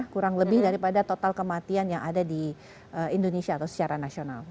kurang lebih daripada total kematian yang ada di indonesia atau secara nasional